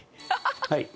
はい！